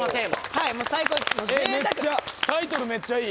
タイトルめっちゃいい。